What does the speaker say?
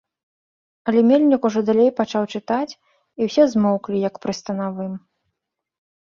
Але мельнік ужо далей пачаў чытаць, і ўсе змоўклі, як пры станавым.